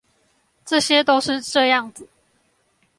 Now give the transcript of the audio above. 這些都是這樣子